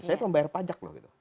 saya itu membayar pajak loh gitu